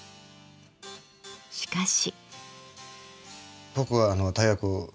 しかし。